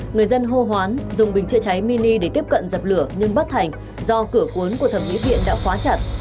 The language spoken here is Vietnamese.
người dân hô hoán dùng bình chữa cháy mini để tiếp cận dập lửa nhưng bất thành do cửa cuốn của thẩm mỹ điện đã khóa chặt